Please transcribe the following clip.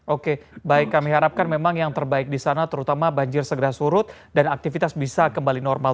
oke baik kami harapkan memang yang terbaik di sana terutama banjir segera surut dan aktivitas bisa kembali normal